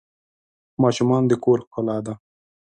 ماشومان د کور ښکلا ده.